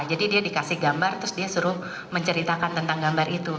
jadi dia dikasih gambar terus dia suruh menceritakan tentang gambar itu